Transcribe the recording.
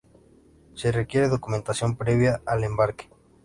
Se requiere documentación previa al embarque.